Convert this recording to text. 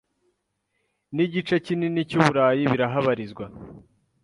n’igice kini cy’uburayi birahabarizwa